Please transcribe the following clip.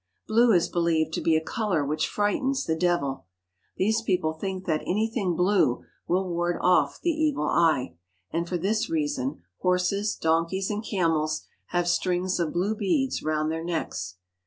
Blue is believed to be a colour which frightens the devil. These people think that anything blue will ward off the evil eye, and for this reason horses, donkeys, and camels have strings of blue beads round their necks.